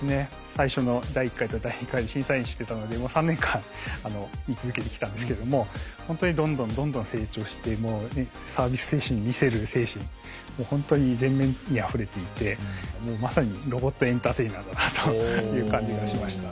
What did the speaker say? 最初の第１回と第２回審査員してたので３年間見続けてきたんですけどもほんとにどんどんどんどん成長してサービス精神見せる精神ほんとに全面にあふれていてもうまさにロボットエンターテイナーだなという感じがしました。